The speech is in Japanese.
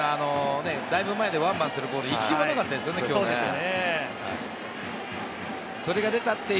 だいぶ前でワンバウンドするボール、きょうは一球もなかったですよね。